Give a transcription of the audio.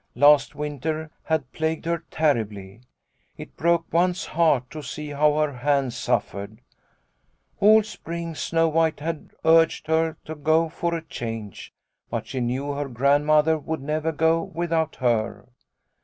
Last winter had plagued her terribly ; it broke one's heart to see how her hands suffered. All spring, Snow White had urged her to go for a change, but she knew her Grandmother would never go without her.